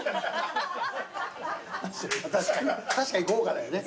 確かに豪華だよね。